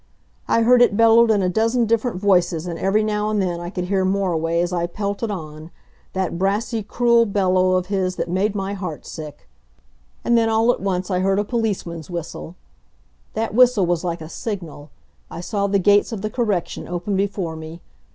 I heard it bellowed in a dozen different voices, and every now and then I could hear Moriway as I pelted on that brassy, cruel bellow of his that made my heart sick. And then all at once I heard a policeman's whistle. That whistle was like a signal I saw the gates of the Correction open before me.